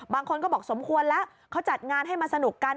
บางคนก็บอกสมควรแล้วเขาจัดงานให้มาสนุกกัน